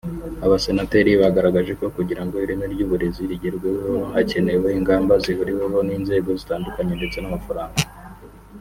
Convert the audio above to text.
Abasenateri bagaragaje ko kugira ngo ireme ry’uburezi rigerweho hakenewe ingamba zihuriweho n’inzego zitandukanye ndetse n’amafaranga